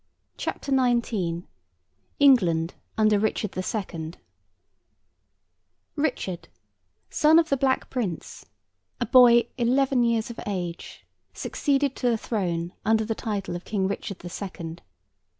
CHAPTER XIX ENGLAND UNDER RICHARD THE SECOND Richard, son of the Black Prince, a boy eleven years of age, succeeded to the Crown under the title of King Richard the Second.